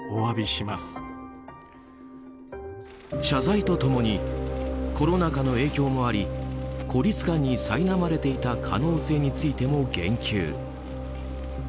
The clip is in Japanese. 謝罪と共にコロナ禍の影響もあり孤立感にさいなまれていた可能性についても言及。